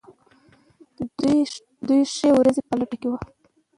د یوې ښې ورځې په لټه کې یو.